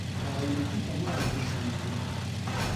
Ailesi Samuray kökenlidir.